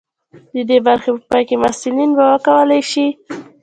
د دې برخې په پای کې محصلین به وکولی شي.